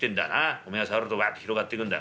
おめえが触るとワッて広がってくんだ。